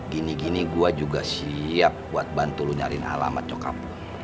gini gini gue juga siap buat bantu lo nyariin alamat cokap